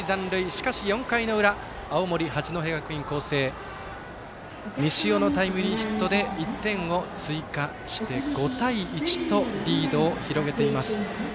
しかし、４回の裏青森、八戸学院光星西尾のタイムリーで１点を追加して５対１とリードを広げています。